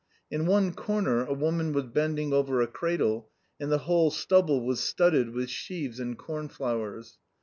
In one corner a woman was bending over a cradle, and the whole stubble was studded with sheaves and cornflowers.